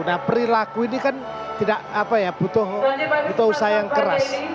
nah perilaku ini kan tidak butuh usaha yang keras